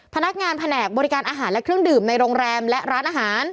พนักงานแผนกบริการอาหารและเครื่องดื่มในโรงแรมและร้านอาหาร